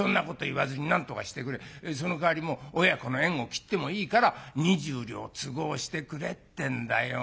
そのかわりもう親子の縁を切ってもいいから２０両都合してくれってんだよ。